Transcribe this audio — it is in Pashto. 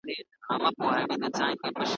په دلیل او په منطق ښکلی انسان دی ,